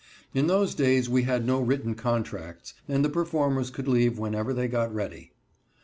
In those days we had no written contracts, and the performers could leave whenever they got ready.